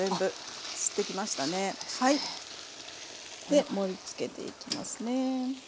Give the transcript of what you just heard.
で盛りつけていきますね。